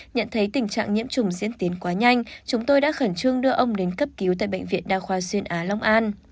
nhận thấy tình trạng nhiễm trùng diễn tiến quá nhanh chúng tôi đã khẩn trương đưa ông đến cấp cứu tại bệnh viện đa khoa xuyên á long an